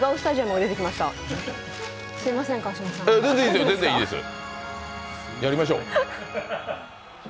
やりましょう。